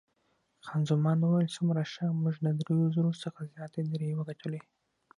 خان زمان وویل، څومره ښه، موږ له دریو زرو څخه زیاتې لیرې وګټلې.